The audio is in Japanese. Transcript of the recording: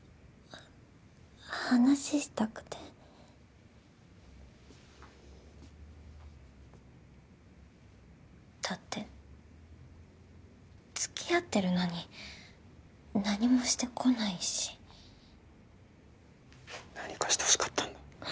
話したくてだってつきあってるのに何もしてこないし何かしてほしかったんだ？